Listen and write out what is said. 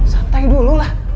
santai dulu lah